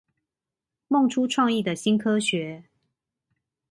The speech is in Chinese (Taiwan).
夢出創意的新科學